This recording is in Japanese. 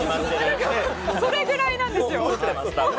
それぐらいなんですよ。